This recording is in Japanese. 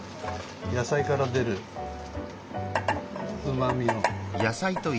野菜から出るうまみを。